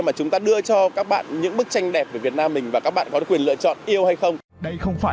mà chúng ta đưa cho các bạn những bức tranh đẹp của việt nam mình và các bạn có quyền lựa chọn yêu hay không